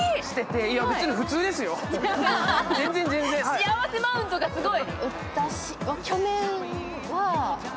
幸せマウントがすごい。